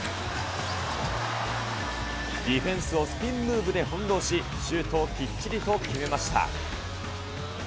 ディフェンスをスピンムーブで翻弄し、シュートをきっちりと決めました。